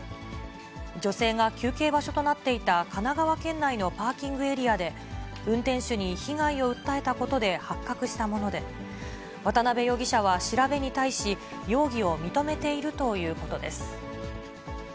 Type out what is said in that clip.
女性が休憩場所となっていた神奈川県内のパーキングエリアで、運転手に被害を訴えたことで発覚したもので、渡辺容疑者は調べに対し、容疑を認めているということです。